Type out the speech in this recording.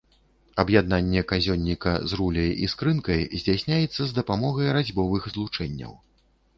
Аб'яднанне казённіка з руляй і скрынкай здзяйсняецца з дапамогай разьбовых злучэнняў.